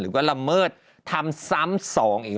หรือว่าระเมิดทำซ้ำสองอีก